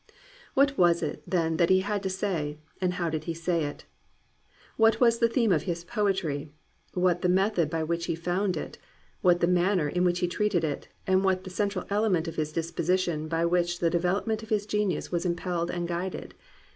What was it, then, that he had to say, and how did he say it? What was the theme of his poetry, what the method by which he found it, what the manner in which he treated it, and what the cen tral element of his disposition by which the develop ment of his genius was impelled and guided